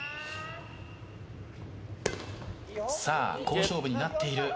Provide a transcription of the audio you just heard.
好勝負になっている。